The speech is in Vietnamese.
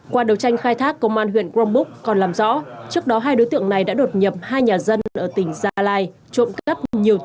qua đấu tranh khai thác công an huyện grongbúc còn làm rõ trước đó hai đối tượng này đã đột nhập